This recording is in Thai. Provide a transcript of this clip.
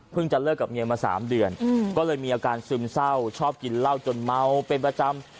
จะเลิกกับเมียมา๓เดือนก็เลยมีอาการซึมเศร้าชอบกินเหล้าจนเมาเป็นประจำ